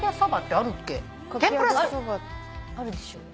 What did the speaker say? あるでしょ。